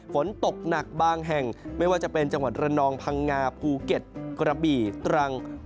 ฝนตกหนักบางแห่งไม่ว่าจะเป็นจังหวัดระนองพังงาภูเก็ตกระบี่ตรัง